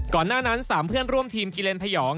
หน้านั้น๓เพื่อนร่วมทีมกิเลนพยอง